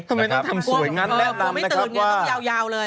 ทำไมต้องทำสวยงั้นแนะนำนะครับว่า